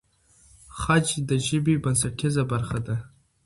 خج د ژبې بنسټیزه برخه ده.